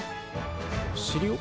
おしりを？